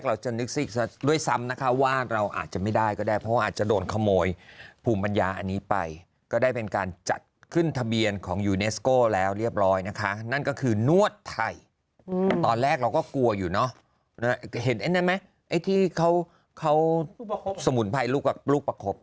แรกเราก็กลัวอยู่เนาะเห็นเนี่ยไหมไอ้ที่เขาสมุนไพรลูกประคบ